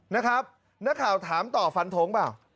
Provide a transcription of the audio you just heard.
นะครับนักข่าวถามต่อฟันทงร์ไหม